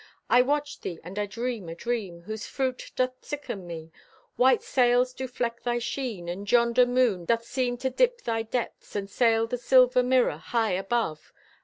I watch thee and I dream a dream Whose fruit doth sicken me. White sails do fleck thy sheen, and yonder moon Doth seem to dip thy depths And sail the silver mirror, high above.